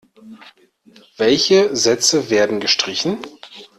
Welche Sätze werden gestrichen?